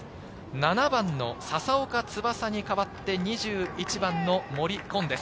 ７番の笹岡翼に代わって、２１番の森紺です。